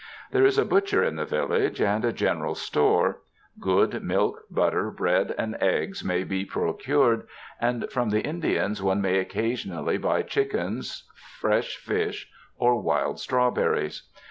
There is a butcher in the village, and a general store ; good milk, butter, bread and eggs may be pro 63 UNDER THE SKY IN CALIFORNIA cured, and from the Indians one may occasionally buy chickens, fresh fish or wild strawberries.